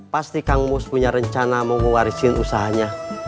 pasti kang mus punya rencana mau mewarisi usahanya